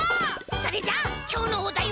それじゃきょうのおだいはこれ！